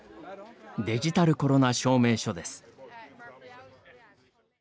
デジタルコロナ証明書です。